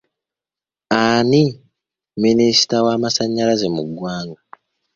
Ani minisita w'amasannyalaze mu ggwanga?